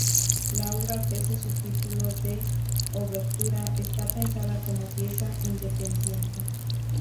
La obra, pese su título de "Obertura", está pensada como pieza independiente.